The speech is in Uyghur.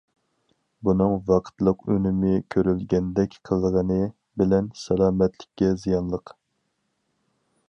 بۇنىڭ ۋاقىتلىق ئۈنۈمى كۆرۈلگەندەك قىلغىنى بىلەن سالامەتلىككە زىيانلىق.